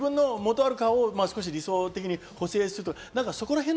自分のもとある顔を理想的に補正する。